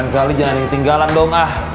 sembilan kali jangan inget tinggalan dong ah